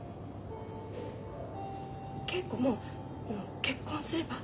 恵子もあの結婚すれば？